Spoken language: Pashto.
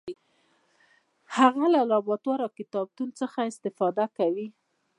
هغه له لابراتوار او کتابتون څخه استفاده کوي.